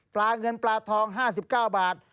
ปลาเงินปลาทอง๕๙บาท